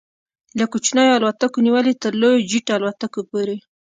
له کوچنیو الوتکو نیولې تر لویو جيټ الوتکو پورې